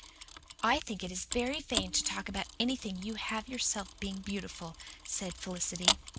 "I think it is very vain to talk about anything you have yourself being beautiful," said Felicity.